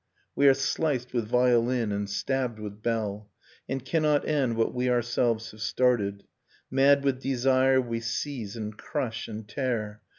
We are sliced with violin, and stabbed with bell. And cannot end what we ourselves have started; Mad with desire we seize and crush and tear.